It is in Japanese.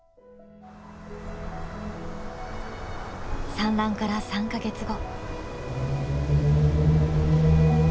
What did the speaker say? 産卵から３か月後。